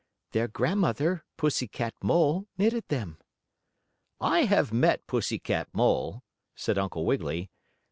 "Their grandmother, Pussy Cat Mole, knitted them." "I have met Pussy Cat Mole," said Uncle Wiggily.